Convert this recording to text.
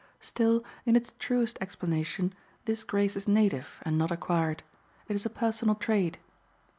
Still, in its truest explanation, this grace is native and not acquired; it is a personal trait.